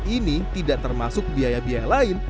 ini tidak termasuk biaya biaya lain